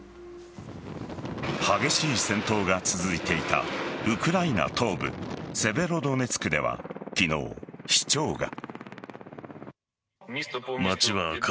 激しい戦闘が続いていたウクライナ東部セベロドネツクでは昨日、市長が。